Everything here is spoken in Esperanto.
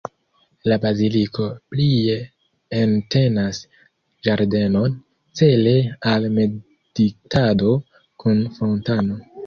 La baziliko plie entenas ĝardenon, cele al meditado, kun fontano.